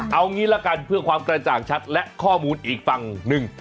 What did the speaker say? เอางี้ละกันเพื่อความกระจ่างชัดและข้อมูลอีกฝั่งหนึ่ง